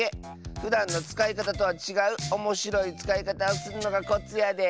ふだんのつかいかたとはちがうおもしろいつかいかたをするのがコツやで。